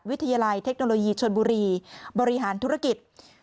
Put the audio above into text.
วิทยาลัยเทคโนโลยีชนบุรีบริหารธุรกิจ